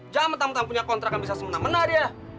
jangan mentang mentang punya kontrakan bisa semena mena dia